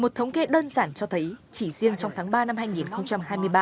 một thống kê đơn giản cho thấy chỉ riêng trong tháng ba năm hai nghìn hai mươi ba